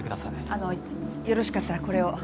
あのよろしかったらこれを。